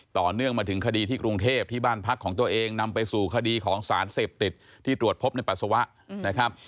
ต่อเนื่องมาถึงคดีที่กรุงเทพที่บ้านพักของตัวเองนำไปสู่คดีของสารเสพติดที่ตรวจพบในปัสสาวะนะครับ